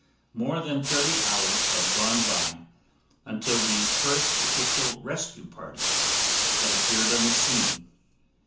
More than thirty hours had gone by until the first official rescue party had appeared on the scene.